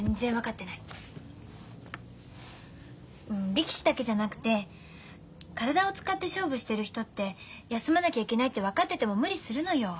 力士だけじゃなくて体を使って勝負してる人って休まなきゃいけないって分かってても無理するのよ。